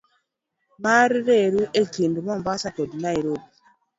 mar reru e kind Mombasa kod Nairobi